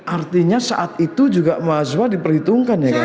artinya saat itu juga mahasiswa diperhitungkan ya kan